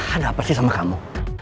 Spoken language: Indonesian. ada apa sih sama kamu